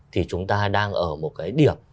thì chúng ta đang ở một điểm